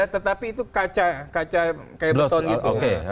tetapi itu kaca kayak beton gitu